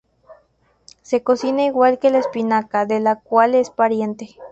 Se cocina igual que la espinaca, de la cual es pariente.